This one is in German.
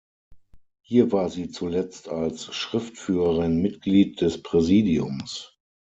Hier war sie zuletzt als Schriftführerin Mitglied des Präsidiums.